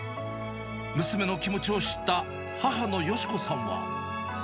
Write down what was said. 娘の気持ちを知った母の芳子さんは。